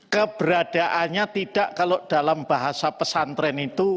keberadaannya tidak kalau dalam bahasa pesantren itu